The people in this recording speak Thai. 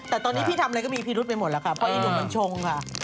แต่ตอนนี้พี่ทำอะไรก็มีพิรุธไปหมดแล้วค่ะเพราะอีหนุ่มมันชงค่ะ